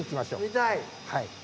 見たい！